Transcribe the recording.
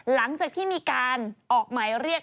หลังจากที่มีการออกหมายเรียก